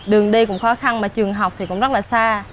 đường đi cũng khó khăn mà trường học thì cũng rất là xa